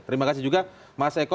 terima kasih juga mas eko